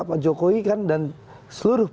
pak jokowi dan seluruh